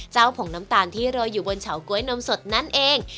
ผงน้ำตาลที่โรยอยู่บนเฉาก๊วยนมสดนั่นเอง